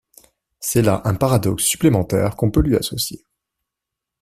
C'est là un paradoxe supplémentaire qu'on peut lui associer.